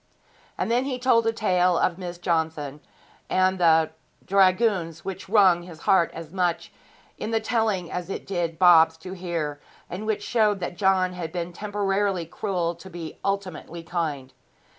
And then he told a tale of Miss Johnson and the th Dragoons which wrung his heart as much in the telling as it did Bob's to hear, and which showed that John had been temporarily cruel to be ultimately kind.